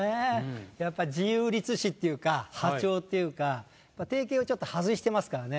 やっぱ自由律詩っていうか破調っていうかまあ定型をちょっと外してますからね。